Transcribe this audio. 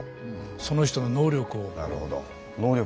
その人の能力を見抜く。